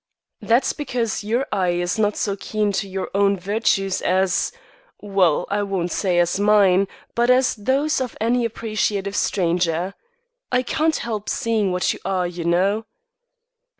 "That's because your eye is not so keen to your own virtues as well, I won't say as mine, but as those of any appreciative stranger. I can't help seeing what you are, you know."